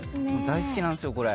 大好きなんですよ、これ。